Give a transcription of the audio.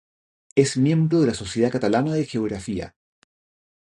Es miembro de la Sociedad Catalana de Geografía.